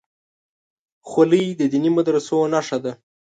خولۍ د دیني مدرسو نښه ده.